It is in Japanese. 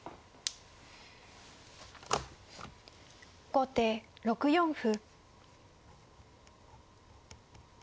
後手６四歩。